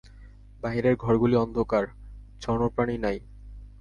বাহিরের ঘরগুলি অন্ধকার, জনপ্রাণী নাই।